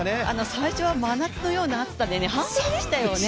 最初は真夏のような暑さで半袖でしたよね。